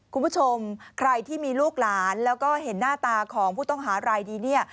คุณผู้ชมใครที่มีลูกหลานแล้วก็เห็นหน้าตาของผู้ต้องหารายนี้เนี่ย